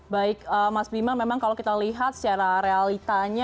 baik mas bima memang kalau kita lihat secara realitanya